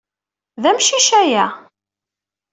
D amcic aya.